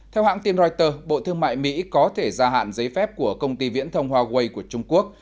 theo hãng tim reuters bộ thương mại mỹ có thể gia hạn giấy phép của công ty viễn thông huawei của trung quốc